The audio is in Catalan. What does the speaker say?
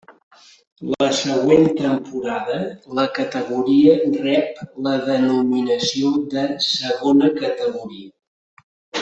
La següent temporada la categoria rep la denominació de Segona Categoria.